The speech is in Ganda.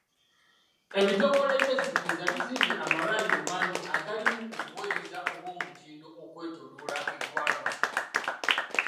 Ebitongole by'enzikiriza bizimbye amalwaliro mangi agalimu obuweereza obw'omutindo okwetooloola eggwanga.